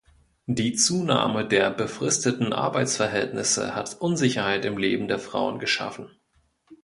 Die Zunahme der befristeten Arbeitsverhältnisse hat Unsicherheit im Leben der Frauen geschaffen.